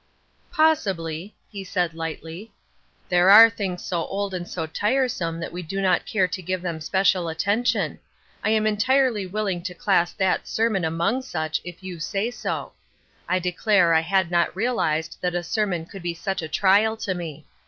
" Possibly," he said lightly. " There are 366 Rath Ershine's Cros8e$. things so old and so tiresome that we do not care to give them special attention; I am en tirely willing to class that sermon among such, if you say so. I declare I had not realized that a sermon could be such a trial to me.